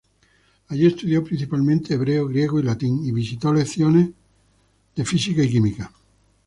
Allí estudió principalmente hebreo, griego y latín, y visitó lecciones de física y química.